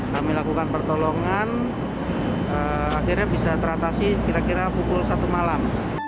kami lakukan pertolongan akhirnya bisa teratasi kira kira pukul satu malam